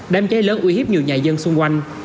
đám cháy lớn uy hiếp nhiều nhà dân xung quanh